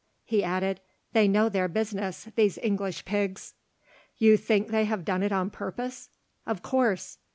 _" He added: "They know their business, these English pigs." "You think they have done it on purpose?" "Of course."